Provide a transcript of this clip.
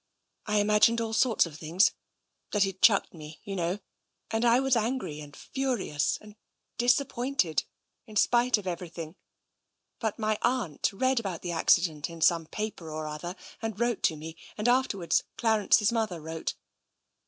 I imagined all sorts of things — that he'd chucked me, you know. And I was angry and furious and disappointed — in spite of ever)rthing. But my aunt read about the accident in some paper or other, and wrote to me. And afterwards Clarence's mother wrote."